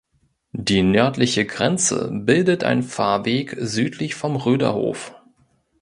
Die nördliche Grenze bildet ein Fahrweg südlich vom Röderhof.